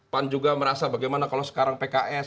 pan juga merasa bagaimana kalau sekarang pks